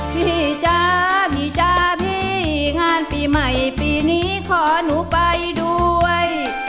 พี่จ๊ะมีจ้าพี่งานปีใหม่ปีนี้ขอหนูไปด้วย